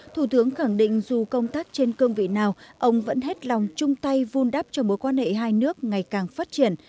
thủ tướng khẳng định dù công tác trên cương vị nào ông vẫn hết lòng chung tay vun đắp cho mối quan hệ hai nước ngày càng phát triển